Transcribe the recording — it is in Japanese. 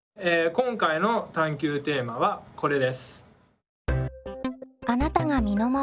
今回の探究テーマはこれです。